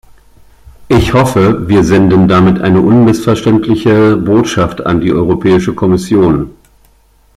Ich hoffe, wir senden damit eine unmissverständliches Botschaft an die Europäische Kommission.